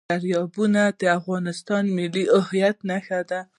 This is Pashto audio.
دریابونه د افغانستان د ملي هویت نښه ده.